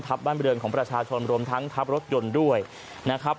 บ้านบริเวณของประชาชนรวมทั้งทับรถยนต์ด้วยนะครับ